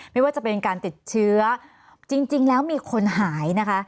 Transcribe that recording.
ไม่ว่าจะเป็นการติดเชื้อจริงแล้วมีคนหายนะคะ